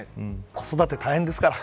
子育ては大変ですから。